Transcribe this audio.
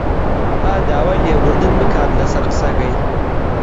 با داوای لێبوردن بکات لەسەر قسەکەی